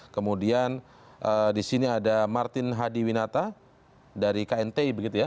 kemudian di sini ada martin hadi winata dari knti begitu ya